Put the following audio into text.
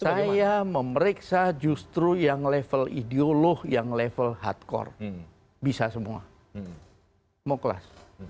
saya memeriksa justru yang level ideolog yang level hardcore bisa semua mau kelas